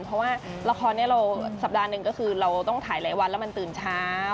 เพราะว่าละครนี้เราสัปดาห์หนึ่งก็คือเราต้องถ่ายหลายวันแล้วมันตื่นเช้า